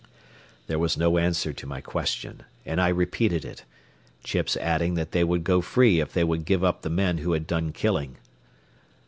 There was no answer to my question, and I repeated it, Chips adding that they would go free if they would give up the men who had done killing.